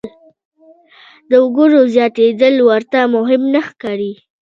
د وګړو زیاتېدل ورته مهم نه ښکاري.